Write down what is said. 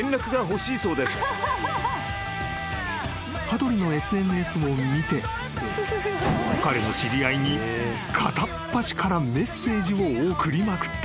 ［羽鳥のＳＮＳを見て彼の知り合いに片っ端からメッセージを送りまくった］